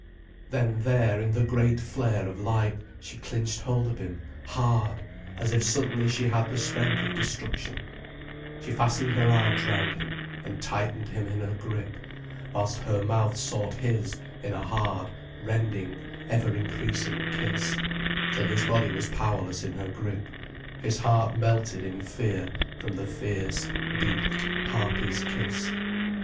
Then there in the great flare of light, she clinched hold of him, hard, as if suddenly she had the strength of destruction, she fastened her arms round him and tightened him in her grip, whilst her mouth sought his in a hard, rending, ever increasing kiss, till his body was powerless in her grip, his heart melted in fear from the fierce, beaked, harpy's kiss.